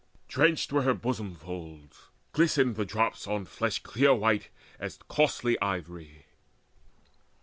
Drenched were her bosom folds, glistened the drops On flesh clear white as costly ivory.